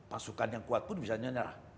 pasukan yang kuat pun bisa nyenyarah